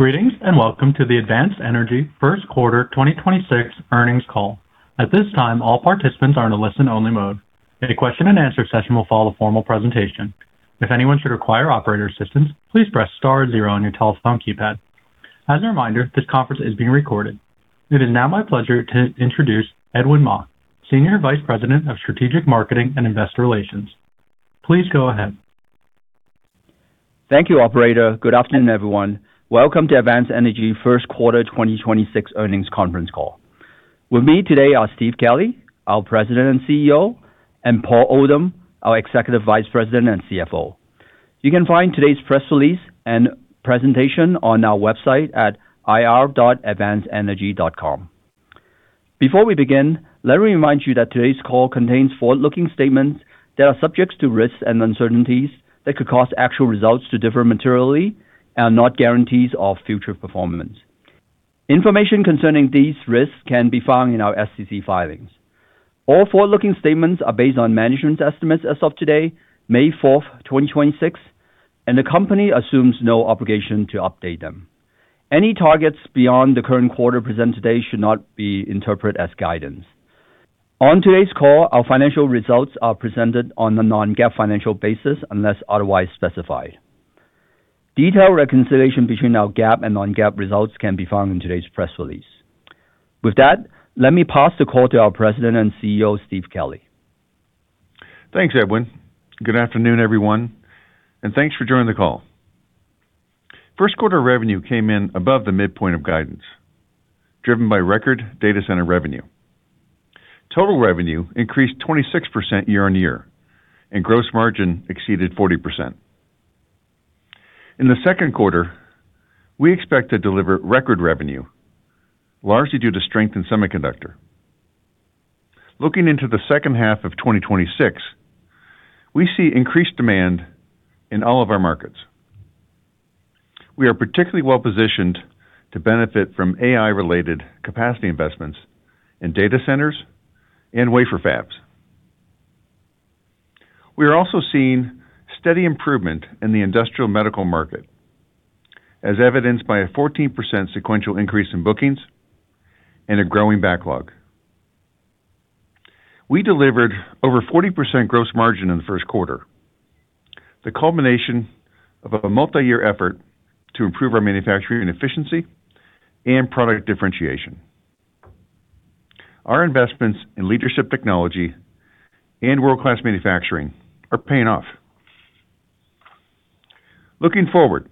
Greetings, and welcome to the Advanced Energy first quarter 2026 earnings call. At this time, all participants are in a listen-only mode. A question and answer session will follow the formal presentation. If anyone should require operator assistance, please press star zero on your telephone keypad. As a reminder, this conference is being recorded. It is now my pleasure to introduce Edwin Mok, Senior Vice President of Strategic Marketing and Investor Relations. Please go ahead. Thank you, operator. Good afternoon, everyone. Welcome to Advanced Energy first quarter 2026 earnings conference call. With me today are Steve Kelley, our President and CEO, and Paul Oldham, our Executive Vice President and CFO. You can find today's press release and presentation on our website at ir.advancedenergy.com. Before we begin, let me remind you that today's call contains forward-looking statements that are subject to risks and uncertainties that could cause actual results to differ materially and are not guarantees of future performance. Information concerning these risks can be found in our SEC filings. All forward-looking statements are based on management estimates as of today, May 4, 2026, and the company assumes no obligation to update them. Any targets beyond the current quarter presented today should not be interpreted as guidance. On today's call, our financial results are presented on a non-GAAP financial basis unless otherwise specified. Detailed reconciliation between our GAAP and non-GAAP results can be found in today's press release. With that, let me pass the call to our President and CEO, Steve Kelley. Thanks, Edwin. Good afternoon, everyone, and thanks for joining the call. First quarter revenue came in above the midpoint of guidance, driven by record data center revenue. Total revenue increased 26% year-on-year, and gross margin exceeded 40%. In the second quarter, we expect to deliver record revenue, largely due to strength in semiconductor. Looking into the second half of 2026, we see increased demand in all of our markets. We are particularly well-positioned to benefit from AI-related capacity investments in data centers and wafer fabs. We are also seeing steady improvement in the industrial medical market, as evidenced by a 14% sequential increase in bookings and a growing backlog. We delivered over 40% gross margin in the first quarter, the culmination of a multi-year effort to improve our manufacturing efficiency and product differentiation. Our investments in leadership technology and world-class manufacturing are paying off. Looking forward,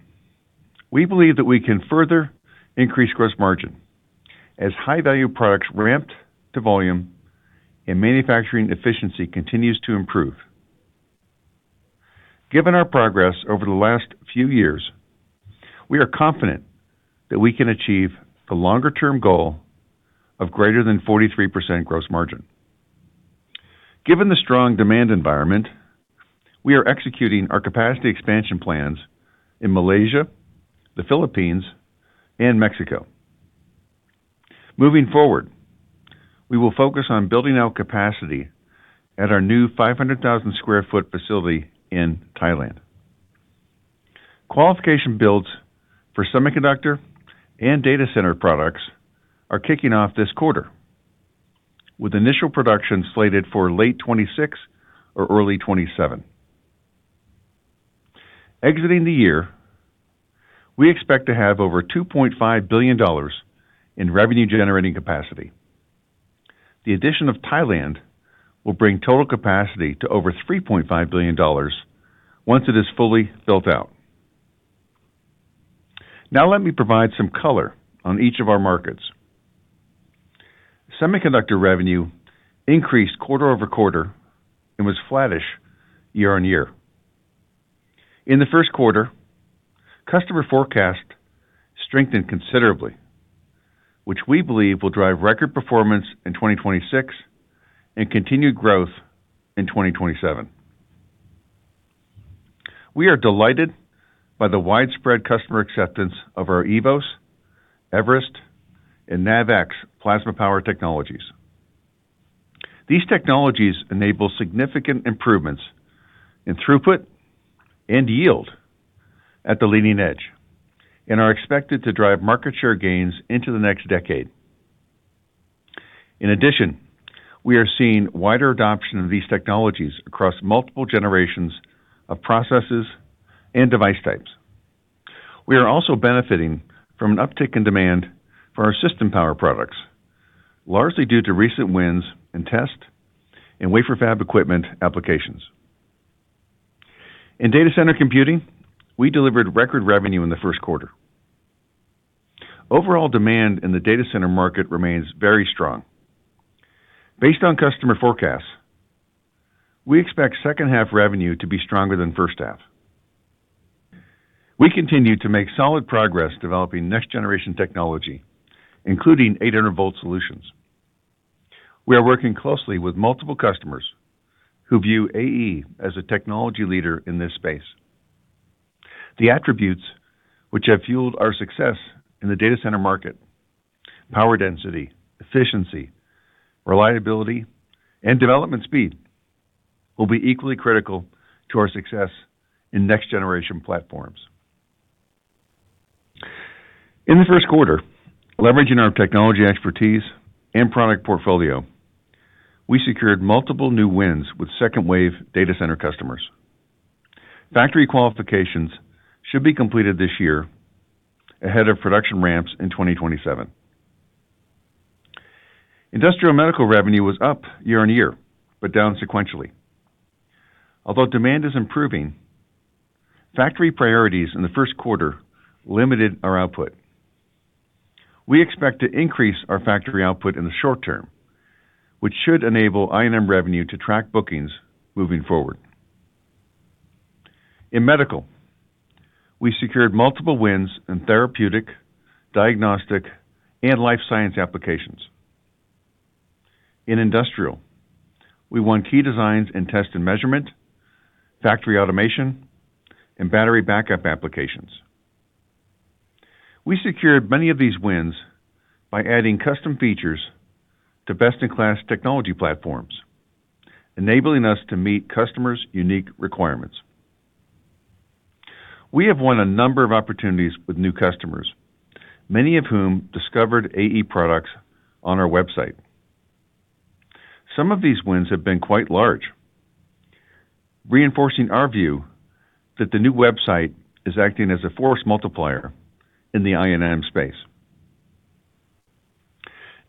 we believe that we can further increase gross margin as high-value products ramp to volume and manufacturing efficiency continues to improve. Given our progress over the last few years, we are confident that we can achieve the longer-term goal of greater than 43% gross margin. Given the strong demand environment, we are executing our capacity expansion plans in Malaysia, the Philippines, and Mexico. Moving forward, we will focus on building out capacity at our new 500,000 sq ft facility in Thailand. Qualification builds for semiconductor and data center products are kicking off this quarter, with initial production slated for late 2026 or early 2027. Exiting the year, we expect to have over $2.5 billion in revenue-generating capacity. The addition of Thailand will bring total capacity to over $3.5 billion once it is fully built out. Let me provide some color on each of our markets. Semiconductor revenue increased quarter-over-quarter and was flattish year-on-year. In the first quarter, customer forecast strengthened considerably, which we believe will drive record performance in 2026 and continued growth in 2027. We are delighted by the widespread customer acceptance of our eVoS, eVerest, and NavX plasma power technologies. These technologies enable significant improvements in throughput and yield at the leading edge and are expected to drive market share gains into the next decade. We are seeing wider adoption of these technologies across multiple generations of processes and device types. We are also benefiting from an uptick in demand for our system power products, largely due to recent wins and test in wafer fab equipment applications. In data center computing, we delivered record revenue in the first quarter. Overall demand in the data center market remains very strong. Based on customer forecasts, we expect second half revenue to be stronger than first half. We continue to make solid progress developing next generation technology, including 800-V solutions. We are working closely with multiple customers who view AE as a technology leader in this space. The attributes which have fueled our success in the data center market, power density, efficiency, reliability, and development speed will be equally critical to our success in next-generation platforms. In the first quarter, leveraging our technology expertise and product portfolio, we secured multiple new wins with second wave data center customers. Factory qualifications should be completed this year ahead of production ramps in 2027. Industrial medical revenue was up year-on-year, but down sequentially. Although demand is improving, factory priorities in the first quarter limited our output. We expect to increase our factory output in the short term, which should enable INM revenue to track bookings moving forward. In medical, we secured multiple wins in therapeutic, diagnostic, and life science applications. In industrial, we won key designs in test and measurement, factory automation, and battery backup applications. We secured many of these wins by adding custom features to best-in-class technology platforms, enabling us to meet customers' unique requirements. We have won a number of opportunities with new customers, many of whom discovered AE products on our website. Some of these wins have been quite large, reinforcing our view that the new website is acting as a force multiplier in the INM space.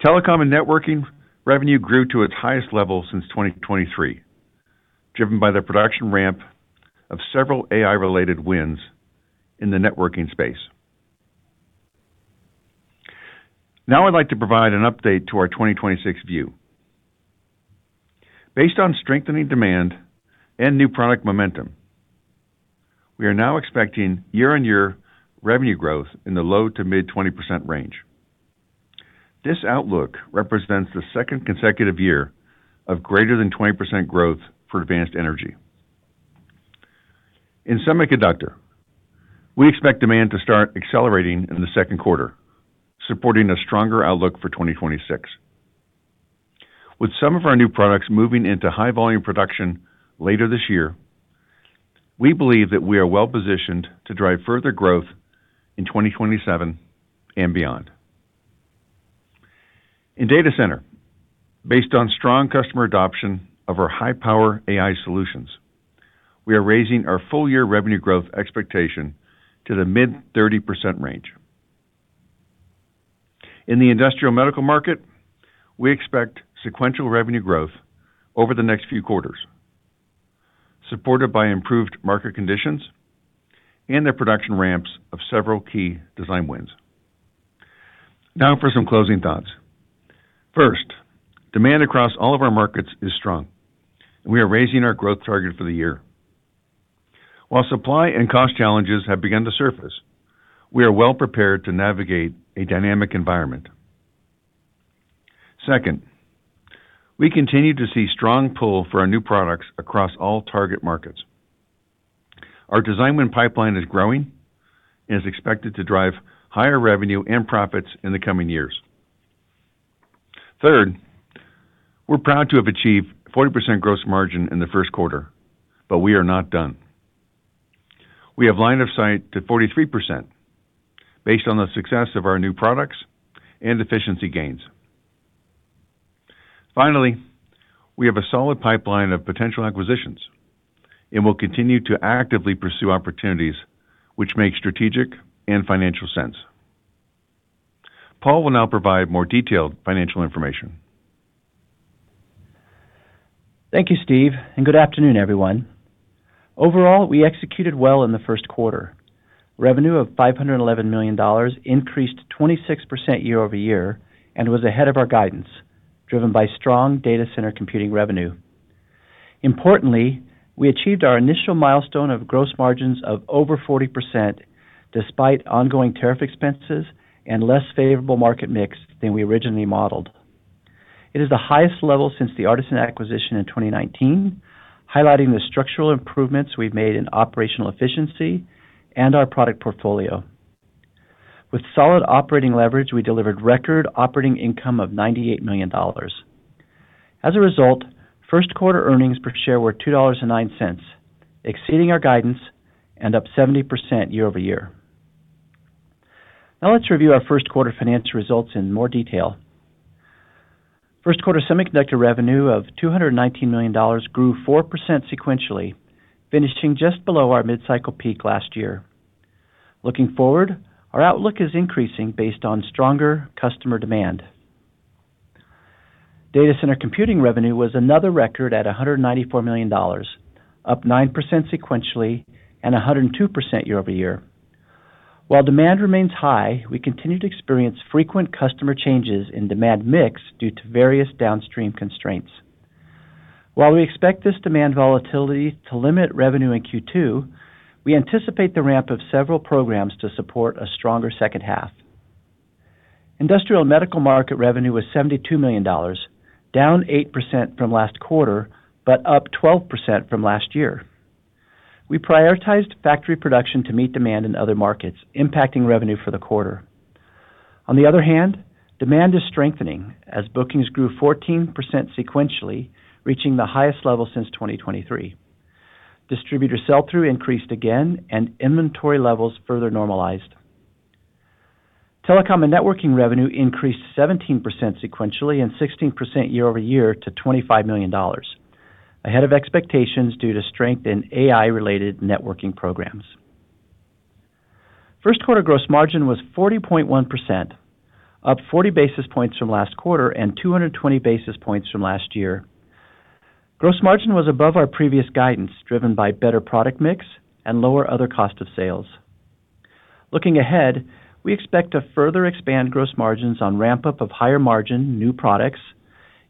Telecom and networking revenue grew to its highest level since 2023, driven by the production ramp of several AI-related wins in the networking space. I'd like to provide an update to our 2026 view. Based on strengthening demand and new product momentum, we are now expecting year-over-year revenue growth in the low to mid 20% range. This outlook represents the second consecutive year of greater than 20% growth for Advanced Energy. In semiconductor, we expect demand to start accelerating in the second quarter, supporting a stronger outlook for 2026. With some of our new products moving into high-volume production later this year, we believe that we are well-positioned to drive further growth in 2027 and beyond. In data center, based on strong customer adoption of our high-power AI solutions, we are raising our full-year revenue growth expectation to the mid 30% range. In the industrial medical market, we expect sequential revenue growth over the next few quarters, supported by improved market conditions and the production ramps of several key design wins. For some closing thoughts. First, demand across all of our markets is strong, and we are raising our growth target for the year. While supply and cost challenges have begun to surface, we are well prepared to navigate a dynamic environment. Second, we continue to see strong pull for our new products across all target markets. Our design win pipeline is growing and is expected to drive higher revenue and profits in the coming years. Third, we're proud to have achieved 40% gross margin in the first quarter, but we are not done. We have line of sight to 43% based on the success of our new products and efficiency gains. Finally, we have a solid pipeline of potential acquisitions and will continue to actively pursue opportunities which make strategic and financial sense. Paul will now provide more detailed financial information. Thank you, Steve. Good afternoon, everyone. Overall, we executed well in the first quarter. Revenue of $511 million increased 26% year-over-year and was ahead of our guidance, driven by strong data center computing revenue. Importantly, we achieved our initial milestone of gross margins of over 40% despite ongoing tariff expenses and less favorable market mix than we originally modeled. It is the highest level since the Artesyn acquisition in 2019, highlighting the structural improvements we've made in operational efficiency and our product portfolio. With solid operating leverage, we delivered record operating income of $98 million. As a result, first quarter earnings per share were $2.09, exceeding our guidance and up 70% year-over-year. Now let's review our first quarter financial results in more detail. First quarter semiconductor revenue of $219 million grew 4% sequentially, finishing just below our mid-cycle peak last year. Looking forward, our outlook is increasing based on stronger customer demand. Data center computing revenue was another record at $194 million, up 9% sequentially and 102% year-over-year. While demand remains high, we continue to experience frequent customer changes in demand mix due to various downstream constraints. While we expect this demand volatility to limit revenue in Q2, we anticipate the ramp of several programs to support a stronger second half. Industrial and medical market revenue was $72 million, down 8% from last quarter, but up 12% from last year. We prioritized factory production to meet demand in other markets, impacting revenue for the quarter. On the other hand, demand is strengthening as bookings grew 14% sequentially, reaching the highest level since 2023. Distributor sell-through increased again and inventory levels further normalized. Telecom and networking revenue increased 17% sequentially and 16% year-over-year to $25 million. Ahead of expectations due to strength in AI-related networking programs. First quarter gross margin was 40.1%, up 40 basis points from last quarter and 220 basis points from last year. Gross margin was above our previous guidance, driven by better product mix and lower other cost of sales. Looking ahead, we expect to further expand gross margins on ramp-up of higher margin new products,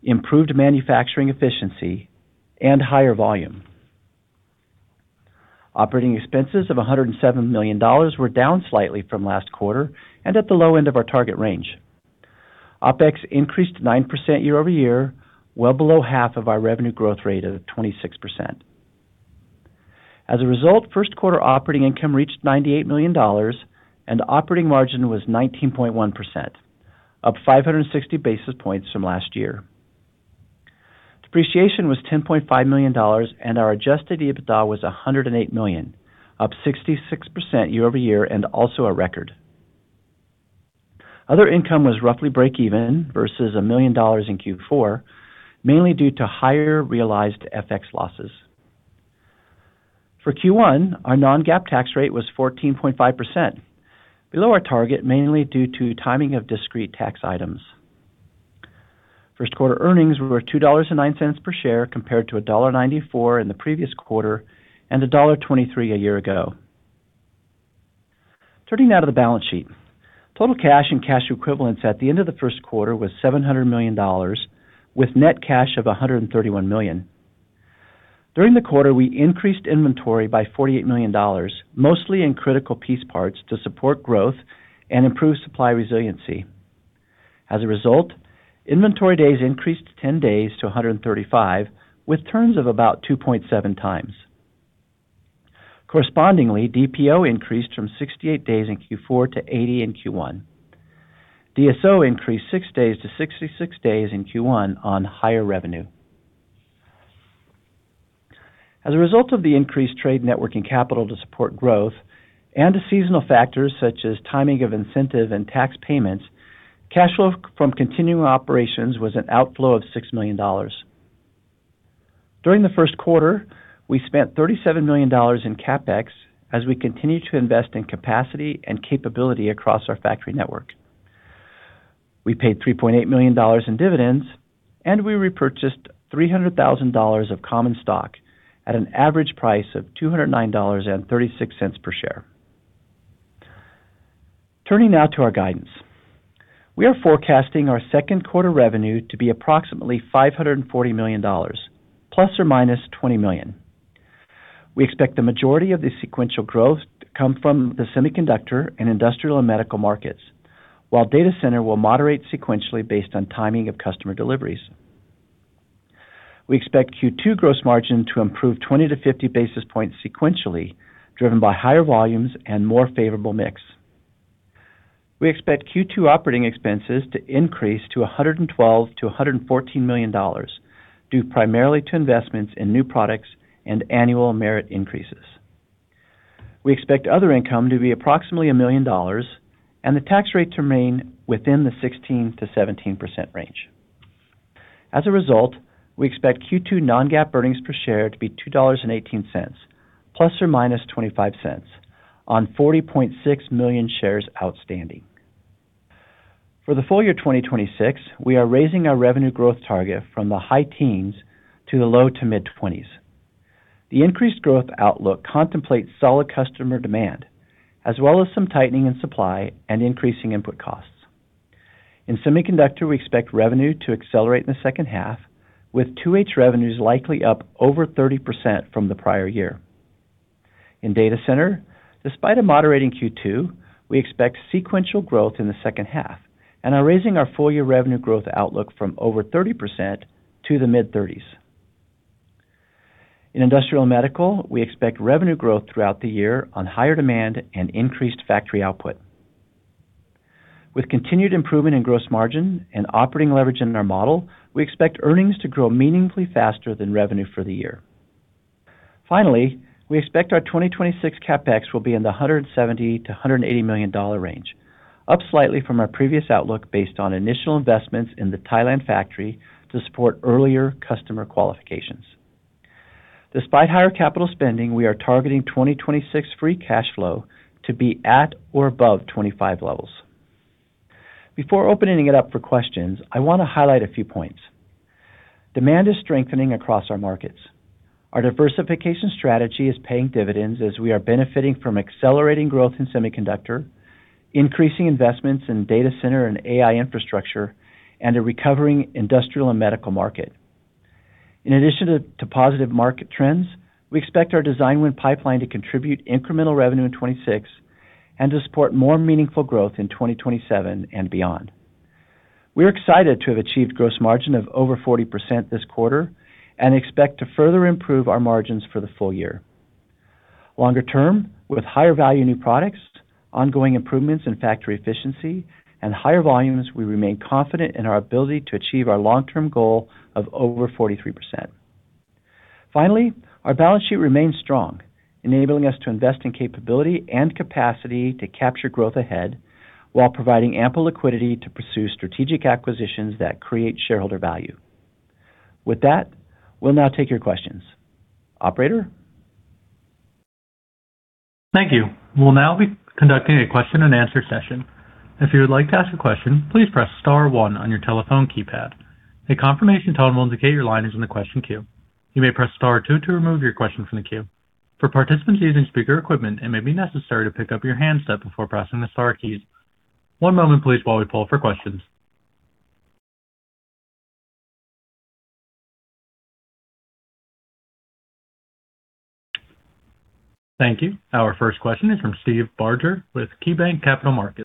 improved manufacturing efficiency, and higher volume. Operating expenses of $107 million were down slightly from last quarter and at the low end of our target range. OpEx increased 9% year-over-year, well below half of our revenue growth rate of 26%. As a result, first quarter operating income reached $98 million, and operating margin was 19.1%, up 560 basis points from last year. Depreciation was $10.5 million, and our adjusted EBITDA was $108 million, up 66% year-over-year and also a record. Other income was roughly break even versus $1 million in Q4, mainly due to higher realized FX losses. For Q1, our non-GAAP tax rate was 14.5%, below our target mainly due to timing of discrete tax items. First quarter earnings were $2.09 per share compared to $1.94 in the previous quarter and $1.23 a year ago. Turning now to the balance sheet. Total cash and cash equivalents at the end of the first quarter was $700 million with net cash of $131 million. During the quarter, we increased inventory by $48 million, mostly in critical piece parts to support growth and improve supply resiliency. As a result, inventory days increased 10 days to 135, with turns of about 2.7x. Correspondingly, DPO increased from 68 days in Q4 to 80 in Q1. DSO increased six days to 66 days in Q1 on higher revenue. As a result of the increased trade net working capital to support growth and to seasonal factors such as timing of incentive and tax payments, cash flow from continuing operations was an outflow of $6 million. During the first quarter, we spent $37 million in CapEx as we continue to invest in capacity and capability across our factory network. We paid $3.8 million in dividends, and we repurchased $300,000 of common stock at an average price of $209.36 per share. Turning now to our guidance. We are forecasting our second quarter revenue to be approximately $540 million, ±$20 million. We expect the majority of the sequential growth to come from the semiconductor and industrial and medical markets, while data center will moderate sequentially based on timing of customer deliveries. We expect Q2 gross margin to improve 20 basis points-50 basis points sequentially, driven by higher volumes and more favorable mix. We expect Q2 operating expenses to increase to $112 million-$114 million, due primarily to investments in new products and annual merit increases. We expect other income to be approximately $1 million and the tax rate to remain within the 16%-17% range. As a result, we expect Q2 non-GAAP earnings per share to be $2.18, ±$0.25, on 40.6 million shares outstanding. For the full year 2026, we are raising our revenue growth target from the high teens to the low-to-mid 20s. The increased growth outlook contemplates solid customer demand, as well as some tightening in supply and increasing input costs. In Semiconductor, we expect revenue to accelerate in the second half, with 2H revenues likely up over 30% from the prior year. In Data Center, despite a moderating Q2, we expect sequential growth in the second half and are raising our full year revenue growth outlook from over 30% to the mid-30s. In Industrial and Medical, we expect revenue growth throughout the year on higher demand and increased factory output. With continued improvement in gross margin and operating leverage in our model, we expect earnings to grow meaningfully faster than revenue for the year. Finally, we expect our 2026 CapEx will be in the $170 million-$180 million range, up slightly from our previous outlook based on initial investments in the Thailand factory to support earlier customer qualifications. Despite higher capital spending, we are targeting 2026 free cash flow to be at or above 2025 levels. Before opening it up for questions, I want to highlight a few points. Demand is strengthening across our markets. Our diversification strategy is paying dividends as we are benefiting from accelerating growth in semiconductor, increasing investments in data center and AI infrastructure, and a recovering industrial and medical market. In addition to positive market trends, we expect our design win pipeline to contribute incremental revenue in 2026 and to support more meaningful growth in 2027 and beyond. We're excited to have achieved gross margin of over 40% this quarter and expect to further improve our margins for the full year. Longer term, with higher value new products, ongoing improvements in factory efficiency, and higher volumes, we remain confident in our ability to achieve our long-term goal of over 43%. Finally, our balance sheet remains strong, enabling us to invest in capability and capacity to capture growth ahead while providing ample liquidity to pursue strategic acquisitions that create shareholder value. With that, we'll now take your questions. Operator? Thank you. We'll now be conducting a question-and-answer session. If you would like to ask a question, please press star one on your telephone keypad. A confirmation tone will indicate your line is in the question queue. You may press star two to remove your question from the queue. For participants using speaker equipment, it may be necessary to pick up your handset before pressing the star keys. One moment please while we poll for questions. Thank you. Our first question is from Steve Barger with KeyBanc Capital Markets.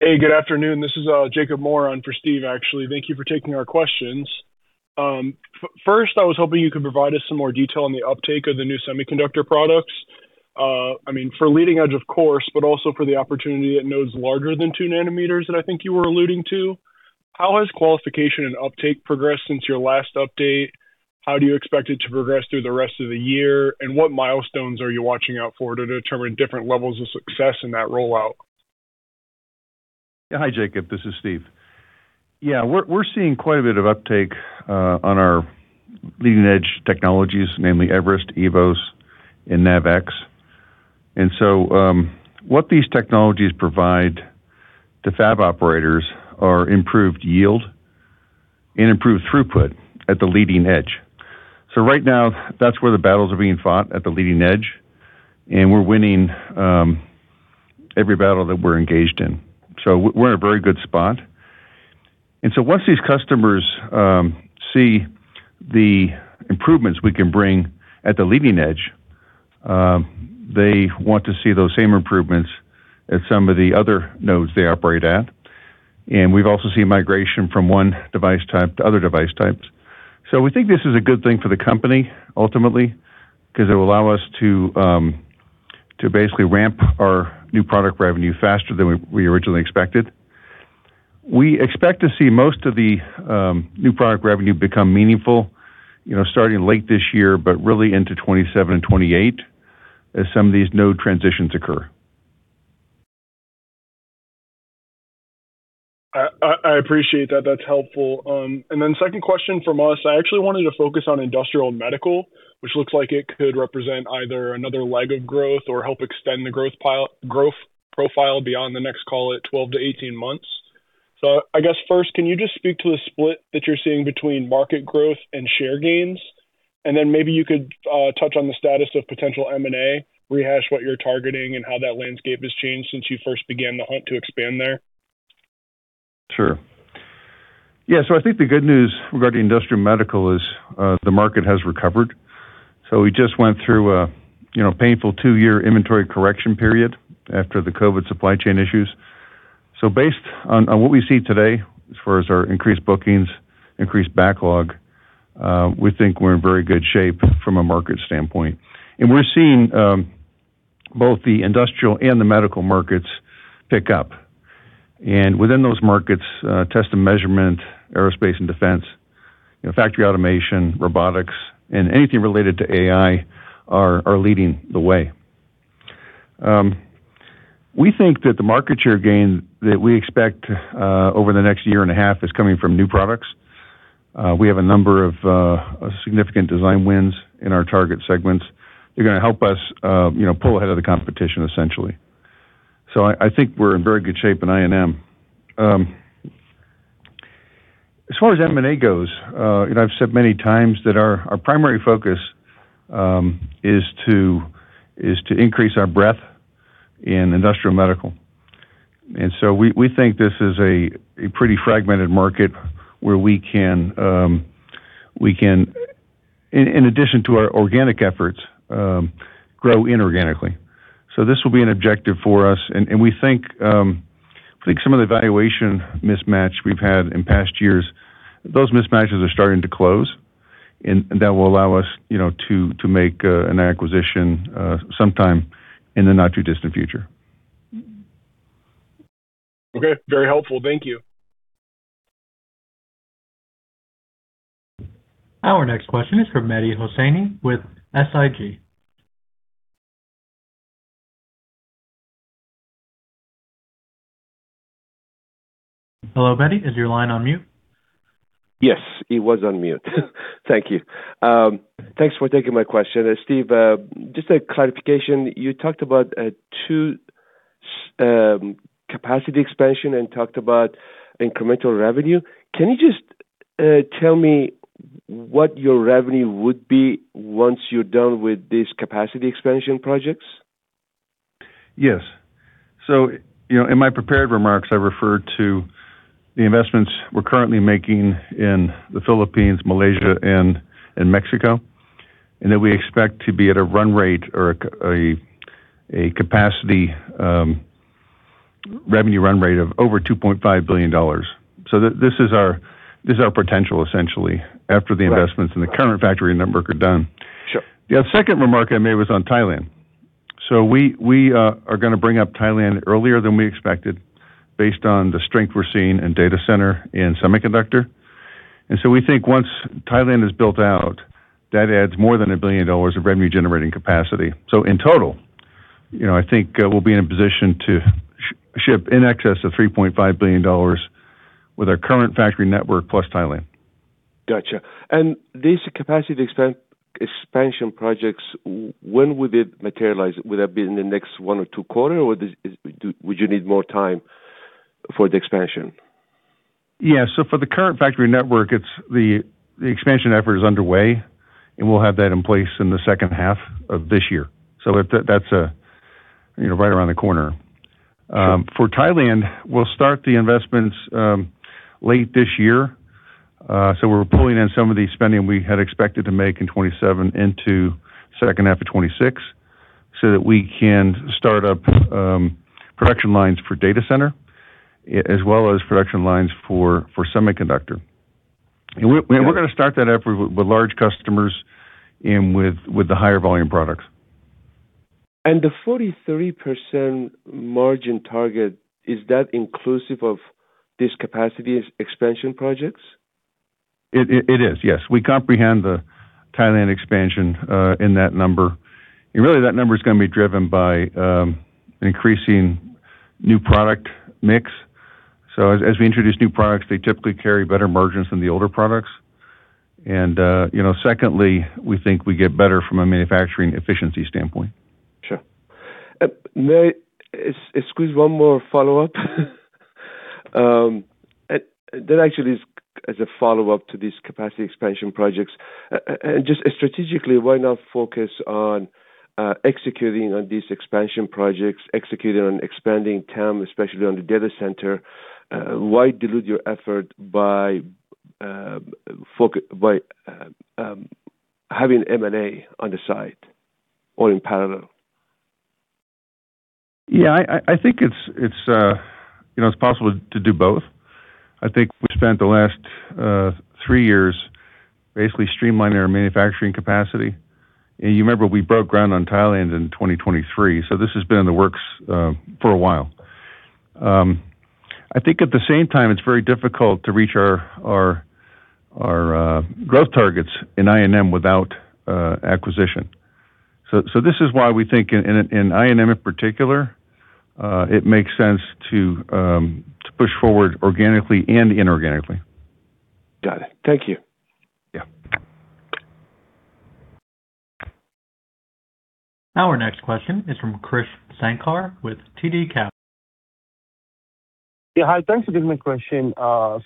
Hey, good afternoon. This is Jacob Moore on for Steve, actually. Thank you for taking our questions. First, I was hoping you could provide us some more detail on the uptake of the new semiconductor products. I mean, for leading edge, of course, but also for the opportunity at nodes larger than 2 nm that I think you were alluding to. How has qualification and uptake progressed since your last update? How do you expect it to progress through the rest of the year? What milestones are you watching out for to determine different levels of success in that rollout? Yeah. Hi, Jacob. This is Steve. Yeah. We're seeing quite a bit of uptake on our leading edge technologies, namely eVerest, eVoS, and NavX. What these technologies provide to fab operators are improved yield and improved throughput at the leading edge. Right now, that's where the battles are being fought, at the leading edge, and we're winning every battle that we're engaged in. We're in a very good spot. Once these customers see the improvements we can bring at the leading edge, they want to see those same improvements at some of the other nodes they operate at. We've also seen migration from one device type to other device types. We think this is a good thing for the company ultimately, because it will allow us to basically ramp our new product revenue faster than we originally expected. We expect to see most of the new product revenue become meaningful, you know, starting late this year, but really into 2027 and 2028 as some of these node transitions occur. I appreciate that. That's helpful. Second question from us, I actually wanted to focus on industrial and medical, which looks like it could represent either another leg of growth or help extend the growth profile beyond the next, call it, 12-18 months. I guess first, can you just speak to the split that you're seeing between market growth and share gains? Maybe you could touch on the status of potential M&A, rehash what you're targeting and how that landscape has changed since you first began the hunt to expand there. Sure. Yeah. I think the good news regarding industrial and medical is the market has recovered. We just went through a, you know, painful two-year inventory correction period after the COVID supply chain issues. Based on what we see today, as far as our increased bookings, increased backlog, we think we're in very good shape from a market standpoint. We're seeing both the industrial and the medical markets pick up. Within those markets, test and measurement, aerospace and defense, you know, factory automation, robotics, and anything related to AI are leading the way. We think that the market share gain that we expect over the next year and a half is coming from new products. We have a number of significant design wins in our target segments. They're gonna help us, you know, pull ahead of the competition, essentially. I think we're in very good shape in INM. As far as M&A goes, you know, I've said many times that our primary focus is to increase our breadth in industrial and medical. We think this is a pretty fragmented market where we can, in addition to our organic efforts, grow inorganically. This will be an objective for us. We think, I think some of the valuation mismatch we've had in past years, those mismatches are starting to close, and that will allow us, you know, to make an acquisition sometime in the not-too-distant future. Okay. Very helpful. Thank you. Our next question is from Mehdi Hosseini with SIG. Hello, Mehdi. Is your line on mute? Yes, it was on mute. Thank you. Thanks for taking my question. Steve, just a clarification. You talked about two capacity expansion and talked about incremental revenue. Can you just tell me what your revenue would be once you're done with these capacity expansion projects? Yes. you know, in my prepared remarks, I referred to the investments we're currently making in the Philippines, Malaysia, and Mexico, and that we expect to be at a run rate or a capacity revenue run rate of over $2.5 billion. this is our potential essentially after the— Right. —investments in the current factory network are done. Sure. The second remark I made was on Thailand. We are gonna bring up Thailand earlier than we expected based on the strength we're seeing in data center and semiconductor. We think once Thailand is built out, that adds more than $1 billion of revenue-generating capacity. In total, you know, I think, we'll be in a position to ship in excess of $3.5 billion with our current factory network plus Thailand. Gotcha. These capacity expansion projects, when would it materialize? Would that be in the next one or two quarter, or would you need more time for the expansion? Yeah. For the current factory network, it's the expansion effort is underway, and we'll have that in place in the second half of this year. That's, you know, right around the corner. For Thailand, we'll start the investments late this year. We're pulling in some of the spending we had expected to make in 2027 into second half of 2026, so that we can start up production lines for data center as well as production lines for semiconductor. Okay. We're gonna start that effort with large customers and with the higher volume products. The 43% margin target, is that inclusive of these capacity expansion projects? It is, yes. We comprehend the Thailand expansion in that number. Really that number is going to be driven by increasing new product mix. As we introduce new products, they typically carry better margins than the older products. You know, secondly, we think we get better from a manufacturing efficiency standpoint. Sure. May I squeeze one more follow-up? That actually is as a follow-up to these capacity expansion projects. Just strategically, why not focus on executing on these expansion projects, executing on expanding TAM, especially on the data center? Why dilute your effort by having M&A on the side or in parallel? Yeah, I think it's, you know, it's possible to do both. I think we spent the last three years basically streamlining our manufacturing capacity. You remember we broke ground on Thailand in 2023, so this has been in the works for a while. I think at the same time, it's very difficult to reach our growth targets in INM without acquisition. This is why we think in INM in particular, it makes sense to push forward organically and inorganically. Got it. Thank you. Yeah. Now our next question is from Krish Sankar with TD Cowen. Yeah, hi. Thanks for taking my question.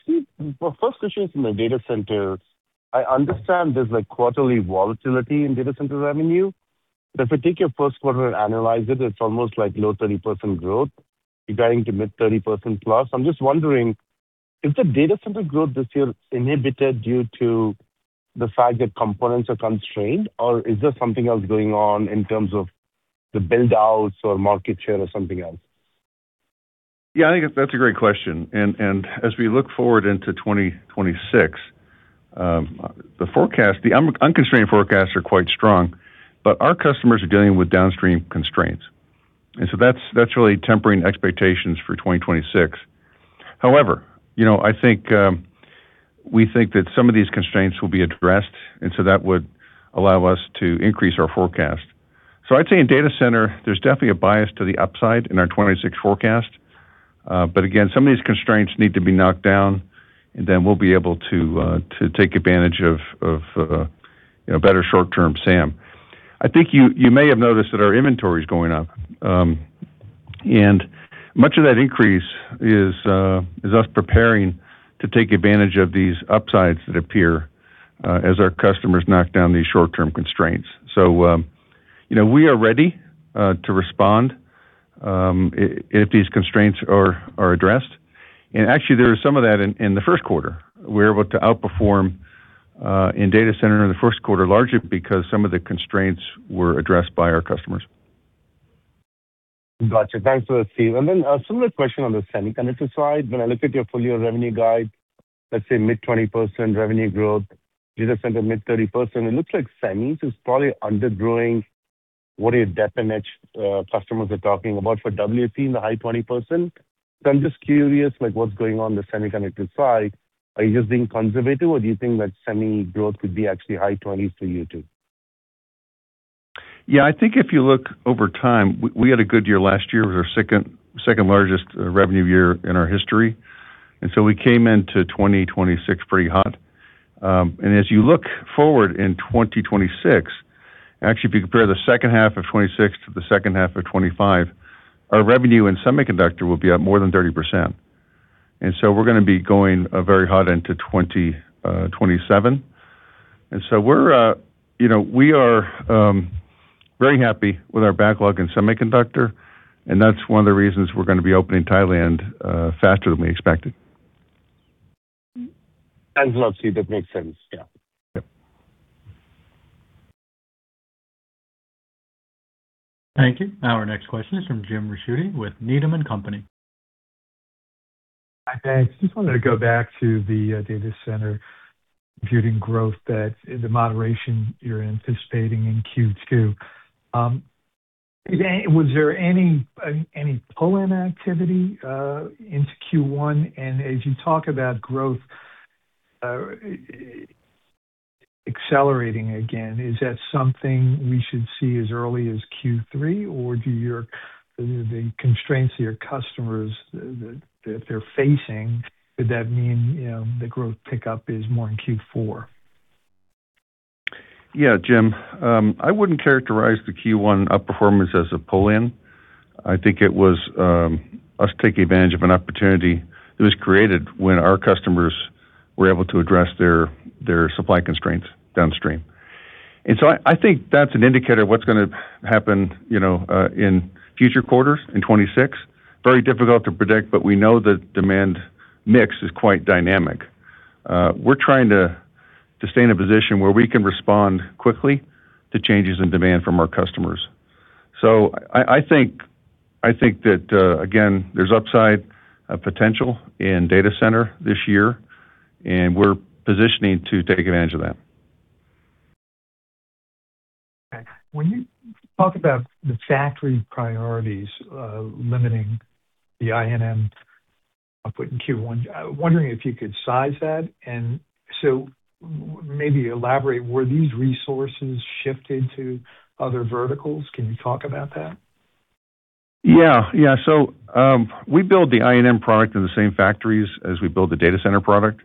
Steve, for first question is in the data centers. I understand there's like quarterly volatility in data centers revenue. If I take your first quarter and analyze it's almost like low 30% growth. You're guiding to mid 30%+. I'm just wondering, is the data center growth this year inhibited due to the fact that components are constrained, or is there something else going on in terms of the build-outs or market share or something else? Yeah, I think that's a great question. As we look forward into 2026, the forecast, the unconstrained forecasts are quite strong, but our customers are dealing with downstream constraints. That's really tempering expectations for 2026. However, you know, I think we think that some of these constraints will be addressed, that would allow us to increase our forecast. I'd say in data center, there's definitely a bias to the upside in our 2026 forecast. Again, some of these constraints need to be knocked down, then we'll be able to take advantage of, you know, better short-term SAM. I think you may have noticed that our inventory is going up. Much of that increase is us preparing to take advantage of these upsides that appear as our customers knock down these short-term constraints. You know, we are ready to respond if these constraints are addressed. Actually, there is some of that in the first quarter. We're able to outperform in data center in the first quarter, largely because some of the constraints were addressed by our customers. Gotcha. Thanks for that, Steve. A similar question on the semiconductor side. When I look at your full year revenue guide, let's say mid 20% revenue growth, data center mid 30%, it looks like semis is probably undergrowing what your deposition and etch customers are talking about for WFE in the high 20%. I'm just curious, like, what's going on the semiconductor side. Are you just being conservative, or do you think that semi growth could be actually high 20s for you too? Yeah. I think if you look over time, we had a good year last year. It was our second largest revenue year in our history. We came into 2026 pretty hot. As you look forward in 2026, actually, if you compare the second half of 2026 to the second half of 2025, our revenue in semiconductor will be up more than 30%. We're gonna be going very hot into 2027. We're, you know, we are very happy with our backlog in semiconductor, and that's one of the reasons we're gonna be opening Thailand faster than we expected. Thanks a lot, Steve. That makes sense. Yeah. Yeah. Thank you. Our next question is from Jim Ricchiuti with Needham & Company. Hi, thanks. Just wanted to go back to the data center computing growth that the moderation you're anticipating in Q2. Was there any pull-in activity into Q1? As you talk about growth accelerating again, is that something we should see as early as Q3, or do the constraints of your customers that they're facing, does that mean the growth pickup is more in Q4? Yeah, Jim, I wouldn't characterize the Q1 outperformance as a pull-in. I think it was us taking advantage of an opportunity that was created when our customers were able to address their supply constraints downstream. I think that's an indicator of what's gonna happen, you know, in future quarters in 2026. Very difficult to predict, we know the demand mix is quite dynamic. We're trying to stay in a position where we can respond quickly to changes in demand from our customers. I think that again, there's upside potential in data center this year, and we're positioning to take advantage of that. When you talk about the factory priorities, limiting the INM output in Q1, I'm wondering if you could size that. Maybe elaborate, were these resources shifted to other verticals? Can you talk about that? We build the INM product in the same factories as we build the data center product.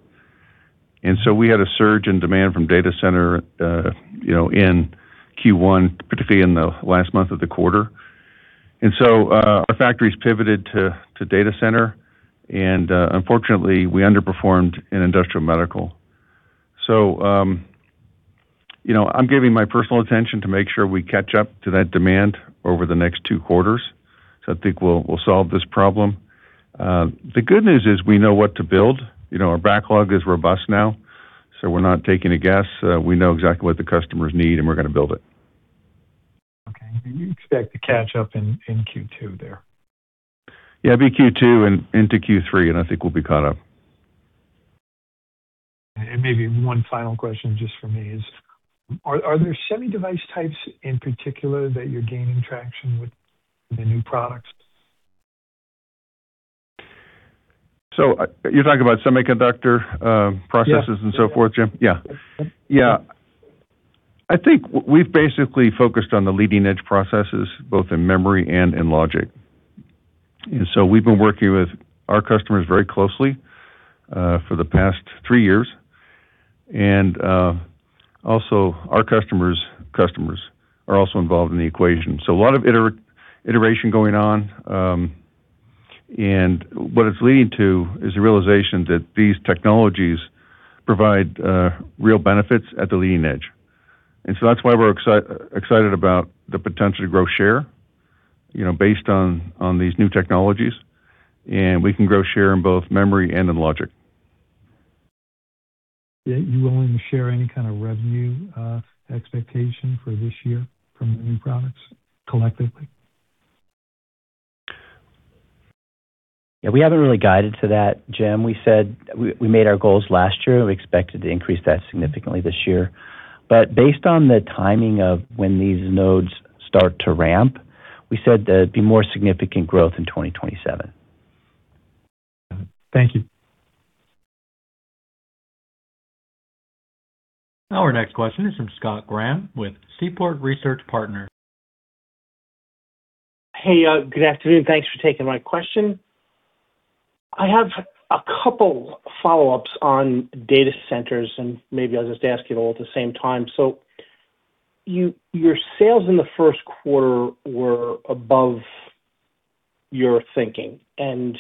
We had a surge in demand from data center, you know, in Q1, particularly in the last month of the quarter. Our factories pivoted to data center, and, unfortunately, we underperformed in industrial medical. You know, I'm giving my personal attention to make sure we catch up to that demand over the next two quarters. I think we'll solve this problem. The good news is we know what to build. You know, our backlog is robust now, so we're not taking a guess. We know exactly what the customers need, and we're going to build it. Okay. You expect to catch up in Q2 there? Yeah, it'll be Q2 and into Q3, and I think we'll be caught up. Maybe one final question just for me is, are there semi device types in particular that you're gaining traction with the new products? You're talking about semiconductor, processes and so forth, Jim? Yeah. I think we've basically focused on the leading-edge processes, both in memory and in logic. We've been working with our customers very closely for the past three years. Also our customers are also involved in the equation. A lot of iteration going on. What it's leading to is the realization that these technologies provide real benefits at the leading edge. That's why we're excited about the potential to grow share, you know, based on these new technologies. We can grow share in both memory and in logic. Are you willing to share any kind of revenue, expectation for this year from the new products collectively? Yeah, we haven't really guided to that, Jim. We said we made our goals last year. We expected to increase that significantly this year. Based on the timing of when these nodes start to ramp, we said there'd be more significant growth in 2027. Thank you. Our next question is from Scott Graham with Seaport Research Partners. Hey, good afternoon. Thanks for taking my question. I have a couple follow-ups on data centers, and maybe I'll just ask you all at the same time. Your sales in the first quarter were above your thinking, and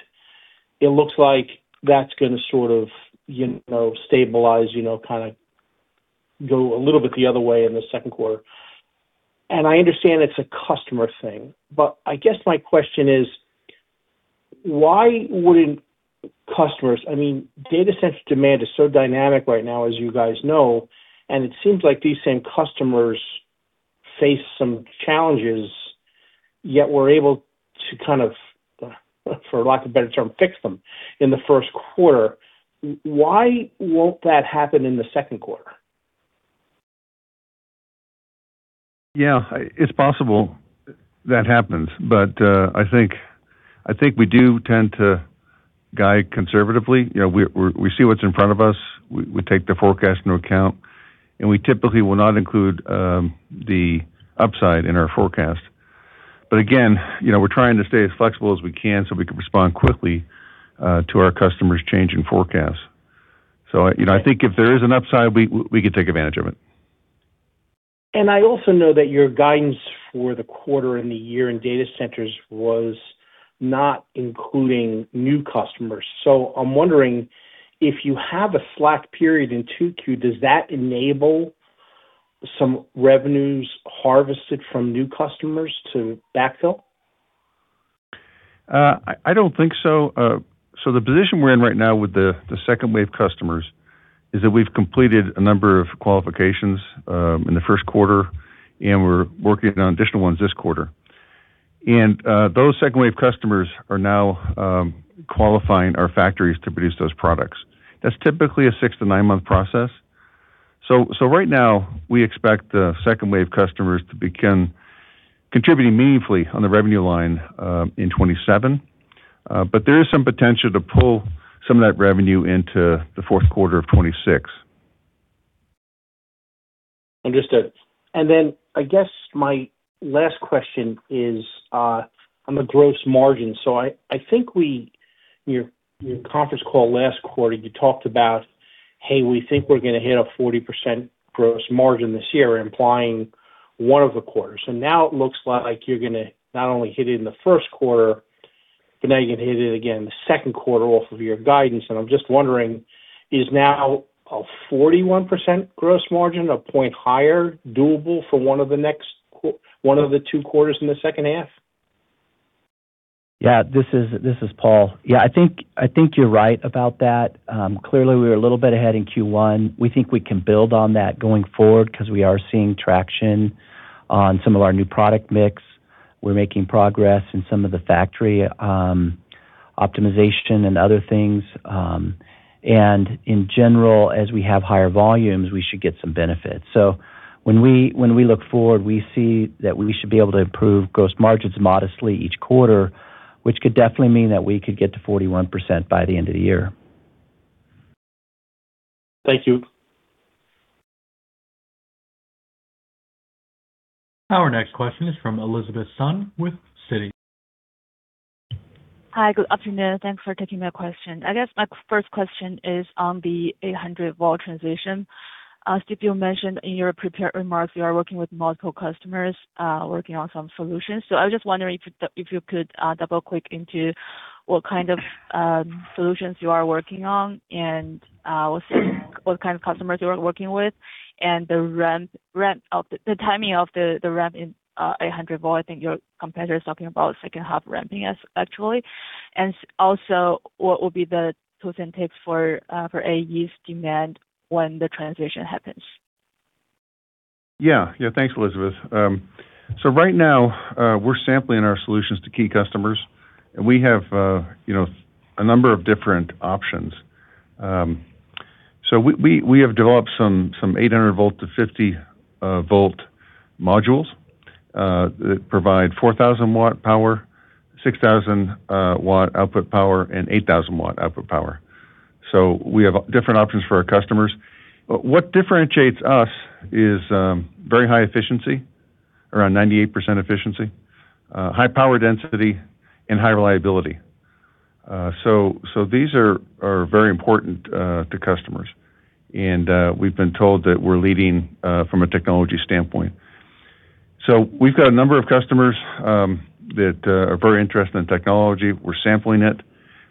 it looks like that's gonna sort of, you know, stabilize, you know, kind of go a little bit the other way in the second quarter. I understand it's a customer thing, but I guess my question is, why wouldn't customers, I mean, data center demand is so dynamic right now, as you guys know, and it seems like these same customers face some challenges, yet were able to kind of, for lack of a better term, fix them in the first quarter. Why won't that happen in the second quarter? Yeah, it's possible that happens. I think we do tend to guide conservatively. You know, we see what's in front of us. We take the forecast into account, and we typically will not include the upside in our forecast. Again, you know, we're trying to stay as flexible as we can so we can respond quickly to our customers' changing forecasts. You know, I think if there is an upside, we can take advantage of it. I also know that your guidance for the quarter and the year in data centers was not including new customers. I'm wondering if you have a slack period in 2Q, does that enable some revenues harvested from new customers to backfill? I don't think so. The position we're in right now with the second wave customers is that we've completed a number of qualifications in the first quarter, and we're working on additional ones this quarter. Those second wave customers are now qualifying our factories to produce those products. That's typically a six to nine-month process. Right now, we expect the second wave customers to begin contributing meaningfully on the revenue line in 2027. There is some potential to pull some of that revenue into the fourth quarter of 2026. Understood. I guess my last question is, on the gross margin. I think your conference call last quarter, you talked about, "Hey, we think we're gonna hit a 40% gross margin this year," implying one of the quarters. Now it looks like you're gonna not only hit it in the first quarter, but now you're gonna hit it again the second quarter off of your guidance. I'm just wondering, is now a 41% gross margin, a point higher, doable for one of the two quarters in the second half? This is Paul. I think you're right about that. Clearly we're a little bit ahead in Q1. We think we can build on that going forward, 'cause we are seeing traction on some of our new product mix. We're making progress in some of the factory optimization and other things. In general, as we have higher volumes, we should get some benefits. When we look forward, we see that we should be able to improve gross margins modestly each quarter, which could definitely mean that we could get to 41% by the end of the year. Thank you. Our next question is from Elizabeth Sun with Citi. Hi, good afternoon. Thanks for taking my question. I guess my first question is on the 800-V transition. Steve, you mentioned in your prepared remarks you are working with multiple customers, working on some solutions. I was just wondering if you could double-click into what kind of solutions you are working on and what kind of customers you are working with, and the ramp of the timing of the ramp in 800-V. I think your competitor is talking about second half ramping as actually. Also, what will be the do's and don'ts for AE's demand when the transition happens? Yeah, thanks, Elizabeth. Right now, we're sampling our solutions to key customers, and we have, you know, a number of different options. We have developed some 800 V-50 V modules that provide 4,000 W power, 6,000 W output power, and 8,000 W output power. We have different options for our customers. What differentiates us is very high efficiency, around 98% efficiency, high power density and high reliability. These are very important to customers. We've been told that we're leading from a technology standpoint. We've got a number of customers that are very interested in technology. We're sampling it.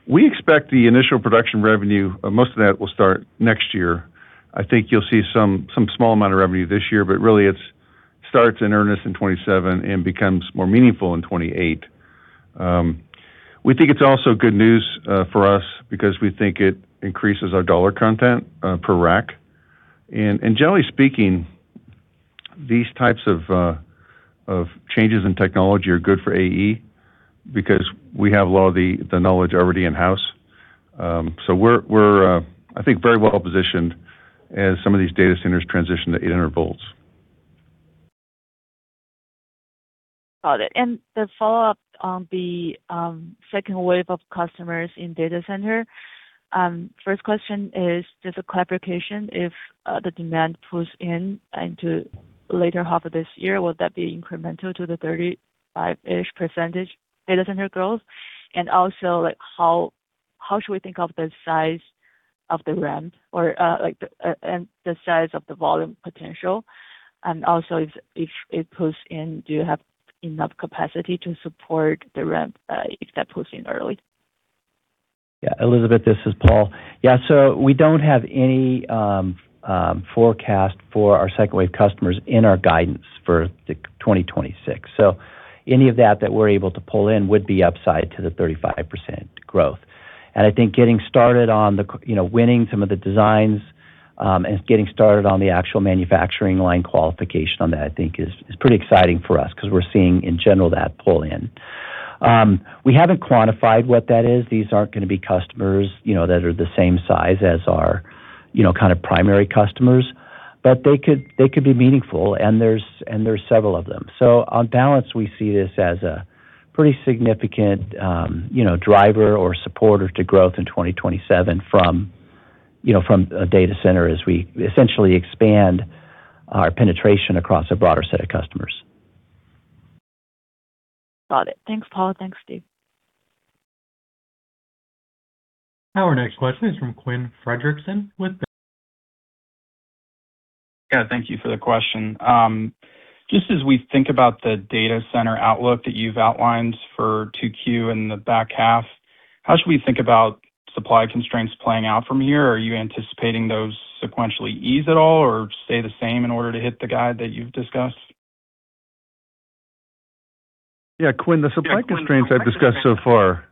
We expect the initial production revenue, most of that will start next year. I think you'll see some small amount of revenue this year, but really it's starts in earnest in 2027 and becomes more meaningful in 2028. We think it's also good news for us because we think it increases our dollar content per rack. Generally speaking, these types of changes in technology are good for AE because we have a lot of the knowledge already in-house. We're I think very well positioned as some of these data centers transition to 800 V. Got it. The follow-up on the second wave of customers in data center. First question is just a clarification. If the demand pulls in into later half of this year, would that be incremental to the 35-ish% data center growth? How should we think of the size of the ramp or the size of the volume potential? If it pulls in, do you have enough capacity to support the ramp if that pulls in early? Yeah. Elizabeth, this is Paul. Yeah. We don't have any forecast for our second wave customers in our guidance for 2026. Any of that we're able to pull in would be upside to the 35% growth. I think getting started on the, you know, winning some of the designs, and getting started on the actual manufacturing line qualification on that, I think is pretty exciting for us because we're seeing in general that pull in. We haven't quantified what that is. These aren't gonna be customers, you know, that are the same size as our, you know, kind of primary customers, but they could be meaningful, and there's several of them. On balance, we see this as a pretty significant, you know, driver or supporter to growth in 2027 from, you know, from a data center as we essentially expand our penetration across a broader set of customers. Got it. Thanks, Paul. Thanks, Steve. Our next question is from Quinn Fredrickson with [Baird]. Thank you for the question. Just as we think about the data center outlook that you've outlined for 2Q and the back half. How should we think about supply constraints playing out from here? Are you anticipating those sequentially ease at all or stay the same in order to hit the guide that you've discussed? Quinn, the supply constraints I've discussed so far,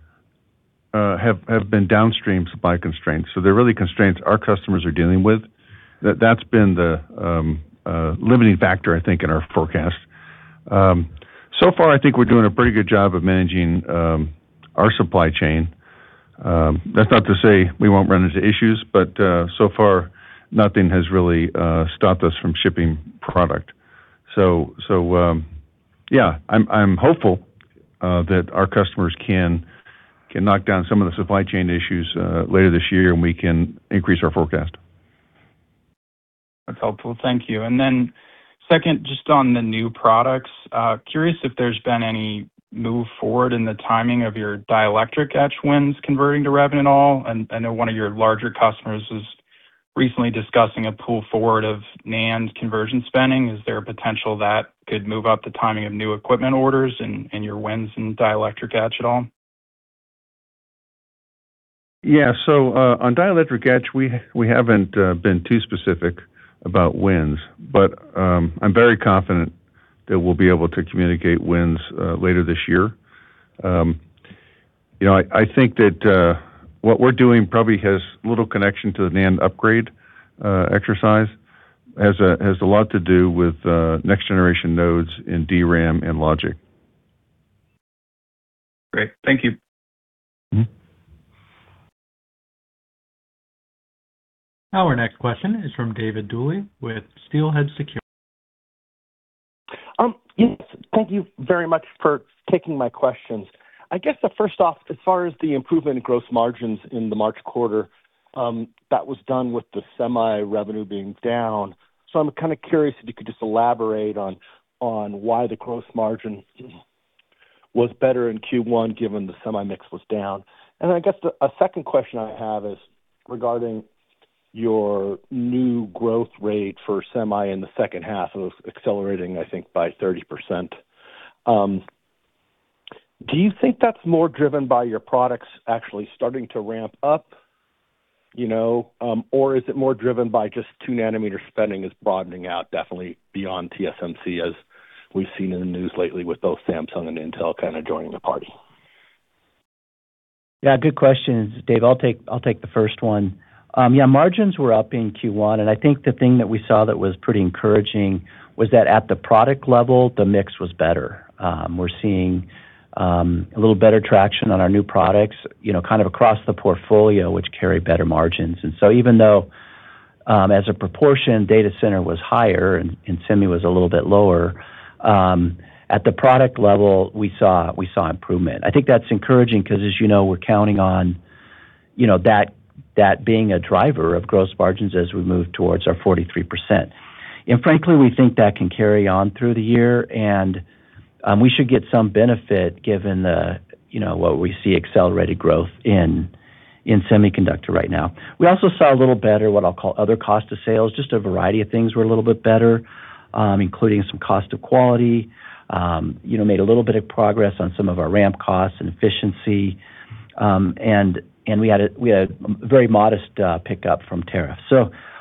have been downstream supply constraints. They're really constraints our customers are dealing with. That's been the limiting factor, I think, in our forecast. So far, I think we're doing a pretty good job of managing our supply chain. That's not to say we won't run into issues, but so far nothing has really stopped us from shipping product. I'm hopeful that our customers can knock down some of the supply chain issues later this year, and we can increase our forecast. That's helpful. Thank you. Second, just on the new products, curious if there's been any move forward in the timing of your dielectric etch wins converting to revenue at all? I know one of your larger customers was recently discussing a pull forward of NAND conversion spending. Is there a potential that could move up the timing of new equipment orders and your wins in dielectric etch at all? Yeah. On dielectric etch, we haven't been too specific about wins, but I'm very confident that we'll be able to communicate wins later this year. You know, I think that what we're doing probably has little connection to the NAND upgrade exercise. Has a lot to do with next generation nodes in DRAM and logic. Great. Thank you. Our next question is from David Duley with Steelhead Securities. Yes, thank you very much for taking my questions. I guess the first off, as far as the improvement in gross margins in the March quarter, that was done with the semi-revenue being down. I'm kind of curious if you could just elaborate on why the gross margin was better in Q1 given the semi mix was down. I guess a second question I have is regarding your new growth rate for semi in the second half. It was accelerating, I think, by 30%. Do you think that's more driven by your products actually starting to ramp up, you know, or is it more driven by just 2-nm spending is broadening out definitely beyond TSMC, as we've seen in the news lately with both Samsung and Intel kind of joining the party? Yeah, good questions, Dave. I'll take the first one. Yeah, margins were up in Q1, and I think the thing that we saw that was pretty encouraging was that at the product level, the mix was better. We're seeing a little better traction on our new products, you know, kind of across the portfolio, which carry better margins. Even though, as a proportion, data center was higher and semi was a little bit lower, at the product level, we saw improvement. I think that's encouraging because as you know, we're counting on, you know, that being a driver of gross margins as we move towards our 43%. Frankly, we think that can carry on through the year, and we should get some benefit given the, you know, what we see accelerated growth in semiconductor right now. We also saw a little better what I'll call other cost of sales. Just a variety of things were a little bit better, including some cost of quality, you know, made a little bit of progress on some of our ramp costs and efficiency. We had a very modest pickup from tariffs.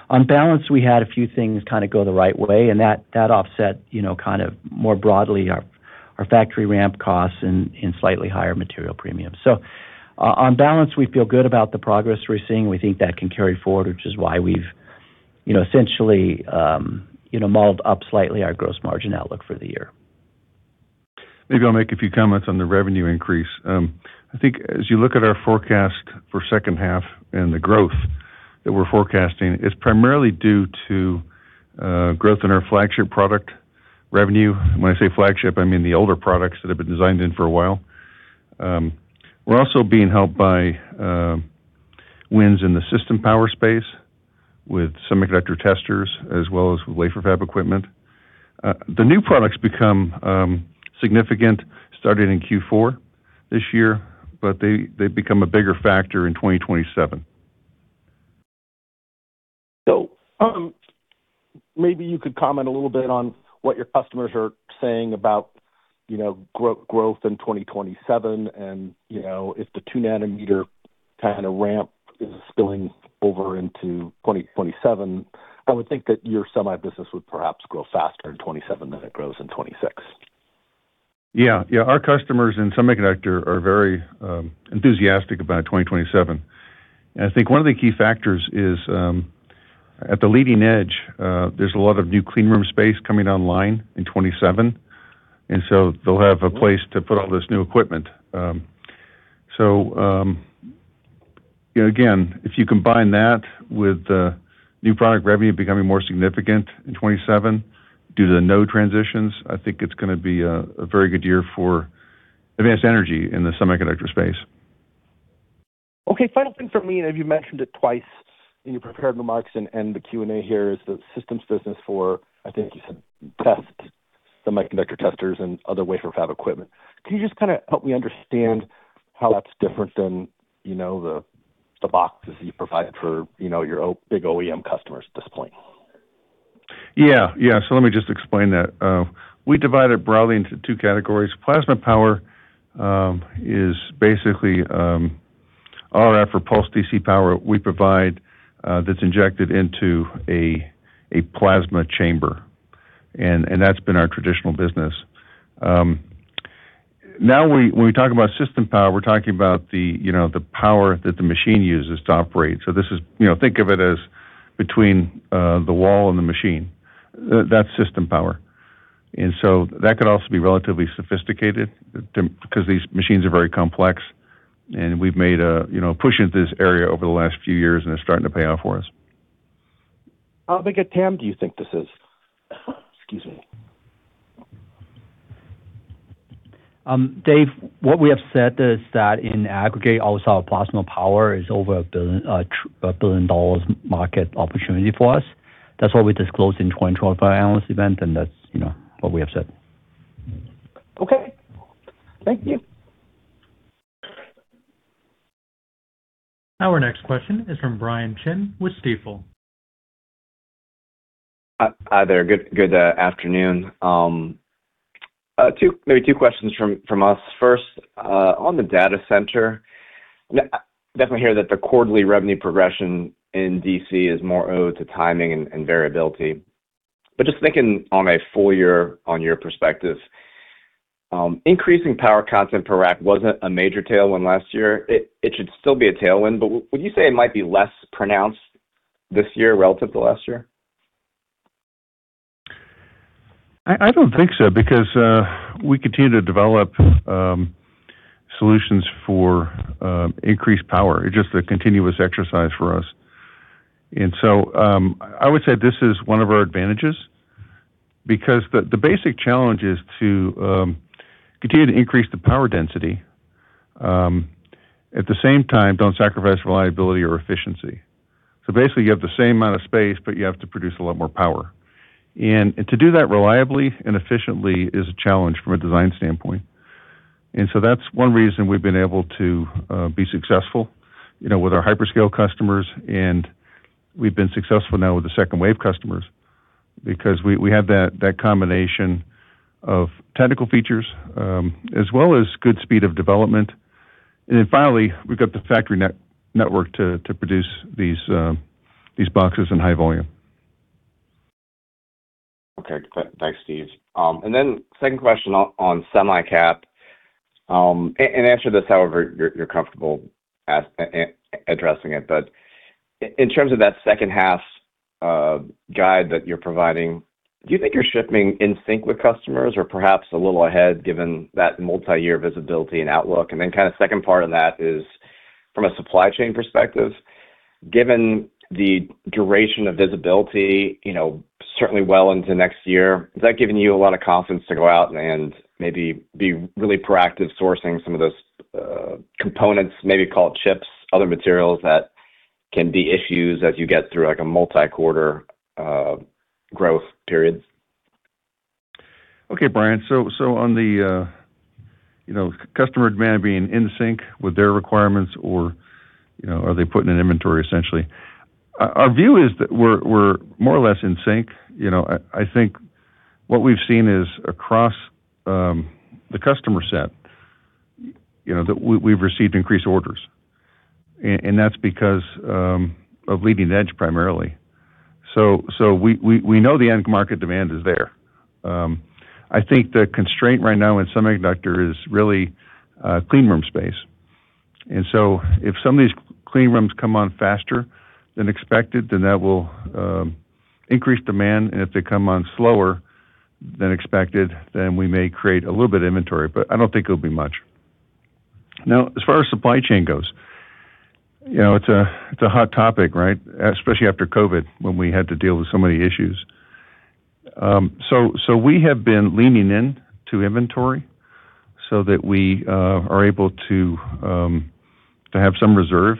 On balance, we had a few things kind of go the right way, and that offset, you know, kind of more broadly our factory ramp costs and slightly higher material premiums. On balance, we feel good about the progress we're seeing. We think that can carry forward, which is why we've, you know, essentially, you know, mulled up slightly our gross margin outlook for the year. Maybe I'll make a few comments on the revenue increase. I think as you look at our forecast for second half and the growth that we're forecasting, it's primarily due to growth in our flagship product revenue. When I say flagship, I mean the older products that have been designed in for a while. We're also being helped by wins in the system power space with semiconductor testers as well as with wafer fab equipment. The new products become significant starting in Q4 this year, but they become a bigger factor in 2027. Maybe you could comment a little bit on what your customers are saying about, you know, growth in 2027 and, you know, if the 2-nm kind of ramp is spilling over into 2027? I would think that your semi business would perhaps grow faster in 2027 than it grows in 2026. Yeah. Yeah. Our customers in semiconductor are very enthusiastic about 2027. I think one of the key factors is, at the leading edge, there's a lot of new clean room space coming online in 2027, and so they'll have a place to put all this new equipment. You know, again, if you combine that with new product revenue becoming more significant in 2027 due to the node transitions, I think it's gonna be a very good year for Advanced Energy in the semiconductor space. Okay. Final thing for me, you mentioned it twice in your prepared remarks and the Q&A here, is the systems business for, I think you said test, semiconductor testers and other wafer fab equipment. Can you just kind of help me understand how that's different than, you know, the boxes you provide for, you know, your big OEM customers at this point? Yeah. Yeah. Let me just explain that. We divide it broadly into two categories. Plasma power is basically RF or pulsed DC power we provide that's injected into a plasma chamber, and that's been our traditional business. We, when we talk about System power, we're talking about the, you know, the power that the machine uses to operate. You know, think of it as between the wall and the machine. That's System power. That could also be relatively sophisticated because these machines are very complex, and we've made a, you know, push into this area over the last few years, and it's starting to pay off for us. How big a TAM do you think this is? Excuse me. Dave, what we have said is that in aggregate, all of our plasma power is over a $1 billion market opportunity for us. That's what we disclosed in 2012 analyst event, and that's, you know, what we have said. Okay. Thank you. Our next question is from Brian Chin with Stifel. Hi there. Good afternoon. Maybe two questions from us. First, on the data center. Definitely hear that the quarterly revenue progression in DC is more owed to timing and variability. Just thinking on a full year-over-year perspective, increasing power content per rack wasn't a major tailwind last year. It should still be a tailwind, but would you say it might be less pronounced this year relative to last year? I don't think so because we continue to develop solutions for increased power. It's just a continuous exercise for us. I would say this is one of our advantages because the basic challenge is to continue to increase the power density at the same time, don't sacrifice reliability or efficiency. Basically, you have the same amount of space, but you have to produce a lot more power. To do that reliably and efficiently is a challenge from a design standpoint. That's one reason we've been able to be successful, you know, with our hyperscale customers, and we've been successful now with the second wave customers because we have that combination of technical features as well as good speed of development. Finally, we've got the factory network to produce these boxes in high volume. Okay. Thanks, Steve. Then second question on semicap. And answer this however you're comfortable addressing it. In terms of that second half guide that you're providing, do you think you're shipping in sync with customers or perhaps a little ahead given that multi-year visibility and outlook? Then kind of second part of that is from a supply chain perspective, given the duration of visibility, you know, certainly well into next year, has that given you a lot of confidence to go out and maybe be really proactive sourcing some of those components, maybe call it chips, other materials that can be issues as you get through, like, a multi-quarter growth period? Okay, Brian. On the, you know, customer demand being in sync with their requirements or, you know, are they putting in inventory, essentially, our view is that we're more or less in sync. You know, I think what we've seen is across the customer set, you know, that we've received increased orders, and that's because of leading edge primarily. We know the end market demand is there. I think the constraint right now in semiconductor is really clean room space. If some of these clean rooms come on faster than expected, then that will increase demand. If they come on slower than expected, then we may create a little bit of inventory, but I don't think it'll be much. As far as supply chain goes, you know, it's a hot topic, right? Especially after COVID when we had to deal with so many issues. So we have been leaning in to inventory so that we are able to have some reserve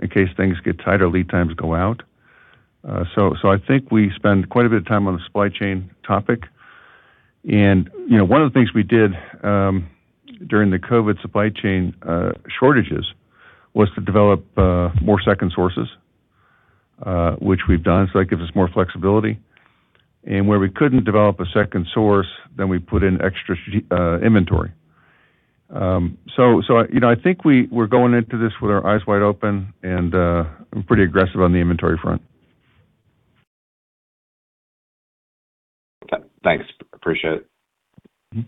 in case things get tight or lead times go out. So I think we spend quite a bit of time on the supply chain topic. You know, one of the things we did during the COVID supply chain shortages was to develop more second sources, which we've done, so that gives us more flexibility. Where we couldn't develop a second source, then we put in extra inventory. You know, I think we're going into this with our eyes wide open, and I'm pretty aggressive on the inventory front. Thanks. Appreciate it.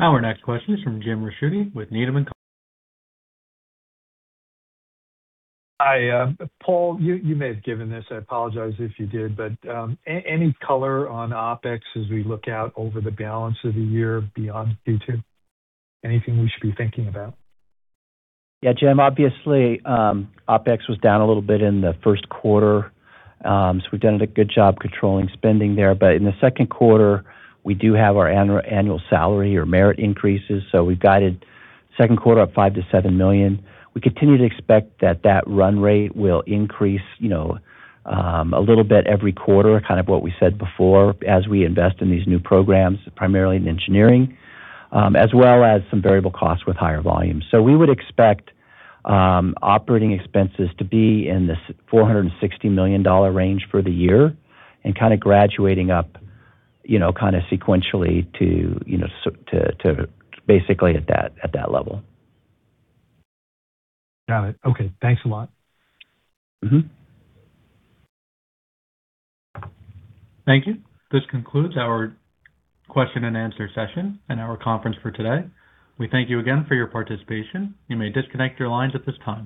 Our next question is from Jim Ricchiuti with Needham & Company. Hi, Paul, you may have given this. I apologize if you did, but any color on OpEx as we look out over the balance of the year beyond Q2? Anything we should be thinking about? Yeah, Jim, obviously, OpEx was down a little bit in the first quarter. We've done a good job controlling spending there. In the second quarter, we do have our annual salary or merit increases. We've guided second quarter up $5 million-$7 million. We continue to expect that that run rate will increase, you know, a little bit every quarter, kind of what we said before as we invest in these new programs, primarily in engineering, as well as some variable costs with higher volumes. We would expect operating expenses to be in this $460 million range for the year and kind of graduating up, you know, kind of sequentially to, you know, so to basically at that level. Got it. Okay. Thanks a lot. Thank you. This concludes our question and answer session and our conference for today. We thank you again for your participation. You may disconnect your lines at this time.